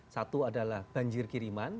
satu adalah banjir kiriman